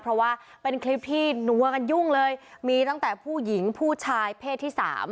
เพราะว่าเป็นคลิปที่นัวกันยุ่งเลยมีตั้งแต่ผู้หญิงผู้ชายเพศที่สาม